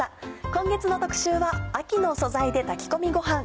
今月の特集は「秋の素材で炊き込みごはん」。